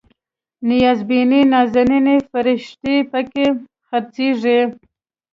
نیازبینې نازنینې فرښتې پکې خرڅیږي